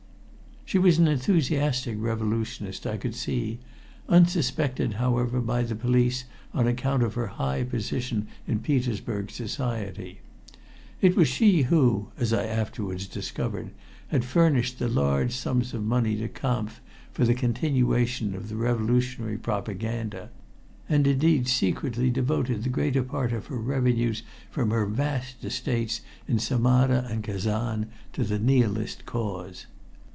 She was an enthusiastic revolutionist, I could see, unsuspected, however, by the police on account of her high position in Petersburg society. It was she who, as I afterwards discovered, had furnished the large sums of money to Kampf for the continuation of the revolutionary propaganda, and indeed secretly devoted the greater part of her revenues from her vast estates in Samara and Kazan to the Nihilist cause.